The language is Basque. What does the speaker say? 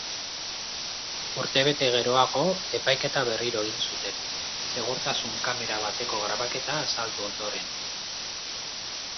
Urtebete geroago epaiketa berriro egin zuten, segurtasun kamera bateko grabaketa azaldu ondoren.